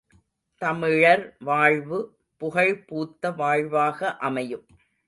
தமிழர் வாழ்வு புகழ் பூத்த வாழ்வாக அமையும்.